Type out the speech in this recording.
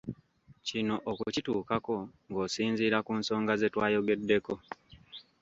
Kino okituukako ng'osinziira ku nsonga ze twayogeddeko.